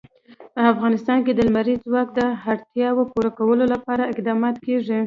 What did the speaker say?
په افغانستان کې د لمریز ځواک د اړتیاوو پوره کولو لپاره اقدامات کېږي.